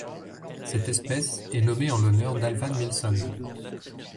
Cette espèce est nommée en l'honneur d'Alvan Millson.